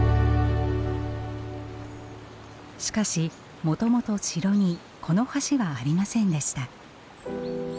しかしもともと城にこの橋はありませんでした。